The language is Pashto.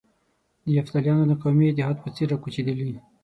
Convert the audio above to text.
د یفتلیانو د قومي اتحاد په څېر را کوچېدلي.